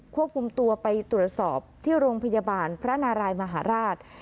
ควบคุมตัวไปตรวจสอบที่โรงพยาบาลพระนารายมหาราช